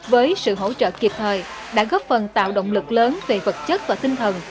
với sự hỗ trợ kịp thời đã góp phần tạo động lực lớn về vật chất và tinh thần